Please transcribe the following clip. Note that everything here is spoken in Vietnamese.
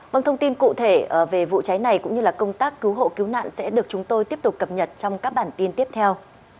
vâng thông tin cụ thể về vụ cháy này cũng như công tác cứu hộ cứu nạn sẽ được chúng tôi tiếp tục cập nhật trong các bản tin tiếp theo